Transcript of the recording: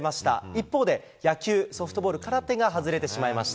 一方で、野球・ソフトボール、空手が外れてしまいました。